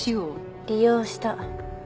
利用した。